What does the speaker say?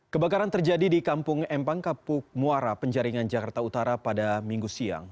kebakaran terjadi di kampung empang kapuk muara penjaringan jakarta utara pada minggu siang